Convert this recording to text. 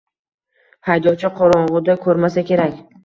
Haydovchi qorong`uda ko`rmasa kerak